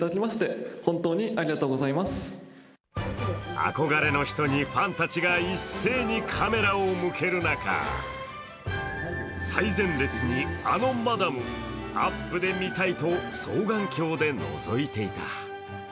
憧れの人にファンたちが一斉にカメラを向ける中、最前列にあのマダム、アップで見たいと双眼鏡でのぞいていた。